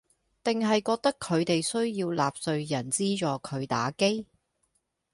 定係覺得佢哋需要納稅人資助佢打機